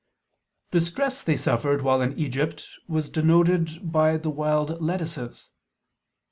The stress they suffered while in Egypt was denoted by the wild lettuces.